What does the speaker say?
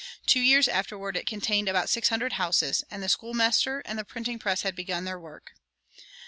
Two years afterward it contained about six hundred houses, and the schoolmaster and the printing press had begun their work.